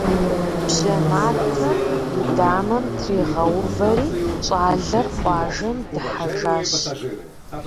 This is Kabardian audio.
Бжьэ матэр и дамэм тригъэувэри, щӏалэр къуажэм дыхьэжащ.